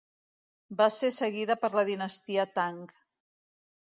Va ser seguida per la dinastia Tang.